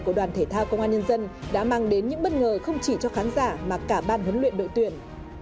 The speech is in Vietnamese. của đoàn thể thao công an nhân dân đã mang đến những bất ngờ không chỉ cho khán giả mà cả ban huấn luyện đội tuyển